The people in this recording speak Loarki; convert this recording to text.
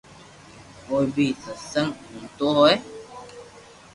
او بي ستسنگ ھوڻتو ھوئي